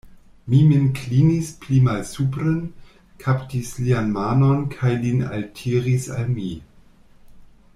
Mi min klinis pli malsupren, kaptis lian manon kaj lin altiris al mi.